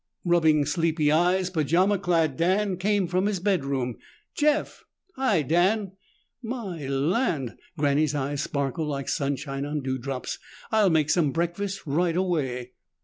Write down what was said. Rubbing sleepy eyes, pajama clad Dan came from his bedroom. "Jeff!" "Hi, Dan!" "My land!" Granny's eyes sparkled like sunshine on dewdrops. "I'll make some breakfast right away."